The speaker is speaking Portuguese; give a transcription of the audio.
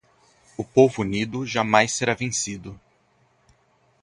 O povo unido, jamais será vencido.